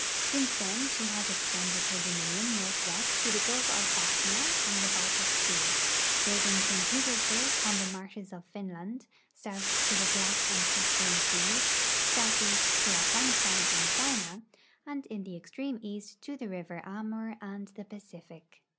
Since then she has extended her dominion northwest to the gulf of Bothnia and the Baltic sea, building St. Petersburg on the marshes of Finland, south to the Black and Caspian seas, southeast to Afghanistan and China, and in the extreme east to the river Amur and the Pacific.